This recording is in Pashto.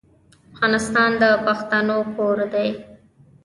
افغانستان د پښتنو کور دی.